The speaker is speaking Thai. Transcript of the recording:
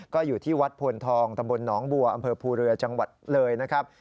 ก็อยู่ที่วัดพลทองตำบลหนองบัวอำเภอภูเรือจังหวัดเลยนะครับ